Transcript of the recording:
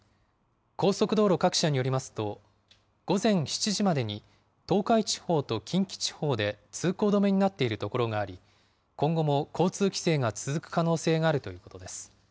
高速道路各社によりますと、午前７時までに、東海地方と近畿地方で通行止めになっている所があり、今後も交通規制が続く可能性があるということです。